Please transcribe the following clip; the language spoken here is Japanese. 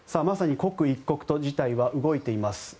まさに刻一刻と事態は動いています。